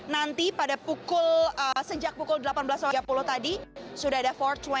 nanti pada pukul sejak pukul delapan belas tiga puluh tadi sudah ada empat dua puluh